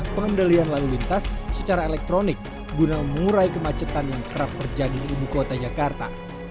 pengendalian lalu lintas secara elektronik guna mengurai kemacetan yang kerap terjadi di ibu kota jakarta